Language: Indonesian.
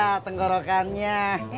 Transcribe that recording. gede ya tenggorokannya